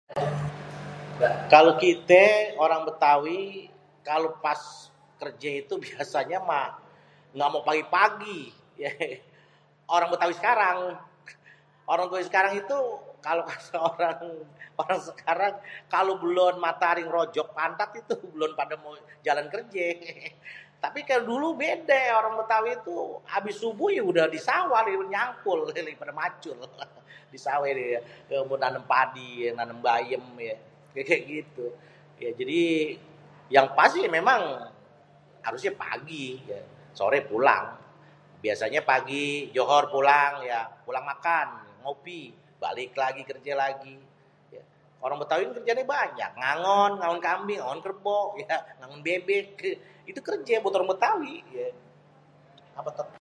kalo kité orang bétawi kalo pas kerjé itu biasanya mah ngga mau pagi-pagi yé [hehe]. orang bétawi sekarang, orang bétawi sekarang itu kalo kata orang sekarang kalo belon mataari ngérojok pantat itu bélom pada mau jalan kerjé hehe, tapi kalo dulu bédé orang bétawi tuh kalo abis barang subuh ya udah di sawah nyangkul dia udah lagi pada mancul [hehe] disawéh dia naném padi, naném bayém. ya gitu. Jadi yang pasti memang biasanyé pagi yé sore pulang. Biasanya pagi johor pulang ya pulang makan ngopi balik lagi kerja lagi yé. Orang bétawi mah kerjaannya banyak. Ngangon, ngangon kambing ngangon kerbo ya, [hehe] ngangon bébék, itu kerjé buat orang bétawi yé.